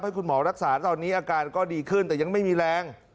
คุณหมอรักษาตอนนี้อาการก็ดีขึ้นแต่ยังไม่มีแรง